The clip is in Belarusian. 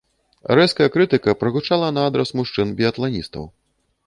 Рэзкая крытыка прагучала на адрас мужчын-біятланістаў.